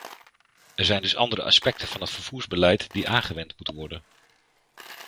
Er zijn dus andere aspecten van het vervoersbeleid die aangewend moeten worden.